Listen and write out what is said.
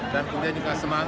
dan kemudian juga semangat